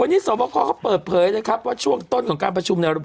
วันนี้สวบคอเขาเปิดเผยนะครับว่าช่วงต้นของการประชุมเนี่ย